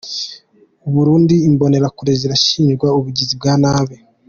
Burundi: Imbonerakure zirashinjwa ubugizi bwa nabi.